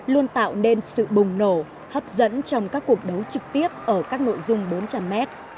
luôn tạo nên sự bùng nổ hấp dẫn trong các cuộc đấu trực tiếp ở các nội dung bốn trăm linh m